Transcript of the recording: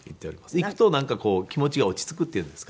行くとなんか気持ちが落ち着くっていうんですか。